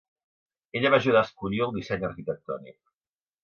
Ella va ajudar a escollir el disseny arquitectònic.